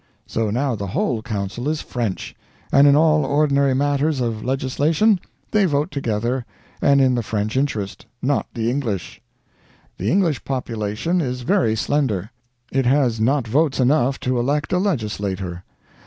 So now the whole council is French, and in all ordinary matters of legislation they vote together and in the French interest, not the English. The English population is very slender; it has not votes enough to elect a legislator.